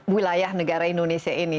wilayah negara indonesia ini